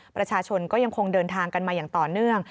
ประชาชนก็ยังคงเดินทางกันมาอย่างต่อเนื่อง